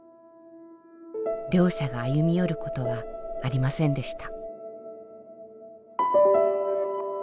両者が歩み寄ることはありませんでした。